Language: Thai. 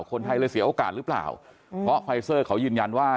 คนไทยเลยเสียโอกาสหรือเปล่าเพราะไฟเซอร์เขายืนยันว่า